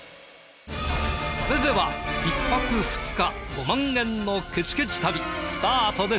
それでは１泊２日５万円のケチケチ旅スタートです！